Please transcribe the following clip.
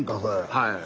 はい。